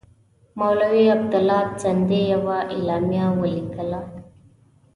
مولوي عبیدالله سندي یوه اعلامیه ولیکله.